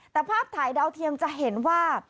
แต่ภาพถ่ายดาวเทียมจะเห็นว่า